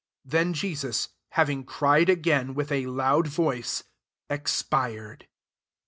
'' 50 Then Jesus, having cried again with a loud voice, expired.